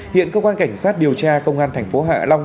hiện công an cảnh sát điều tra công an thành phố hạ long